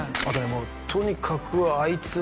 「もうとにかくあいつは」